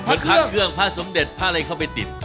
พระเครื่องพระสมเด็จพระอะไรเข้าไปติด